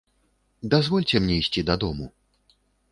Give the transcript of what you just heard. Дазвольце мне ісці дадому?